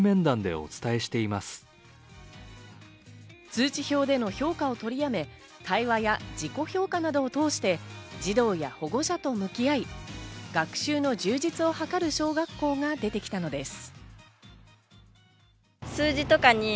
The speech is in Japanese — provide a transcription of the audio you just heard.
通知表での評価を取り止め、対話や自己評価などを通して、児童や保護者と向き合い、学習の充実を図る小学校が出てきたのです。